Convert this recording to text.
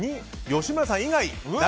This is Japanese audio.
吉村さん以外。